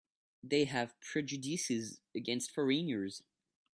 They have prejudices against foreigners.